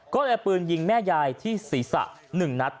ก็เลยเอาปืนยิงแม่ยายที่ศีรษะ๑นัด